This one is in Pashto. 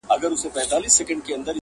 لېونتوب ته په خندا یې هر سړی وو-